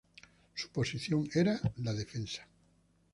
Su posición era la defensa.